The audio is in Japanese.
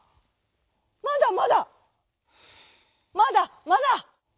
「まだまだ。まだまだ」。